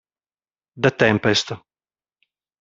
The Tempest